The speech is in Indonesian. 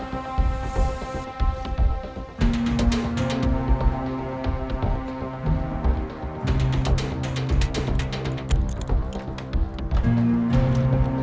sampai jumpa lagi